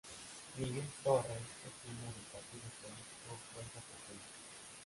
Miguel Torres es miembro del partido político Fuerza Popular.